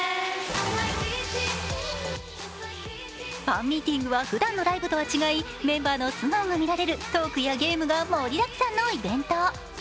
ファンミーティングはふだんのライブとは違い、メンバーの素顔が見られるトークやゲームが盛りだくさんのイベント。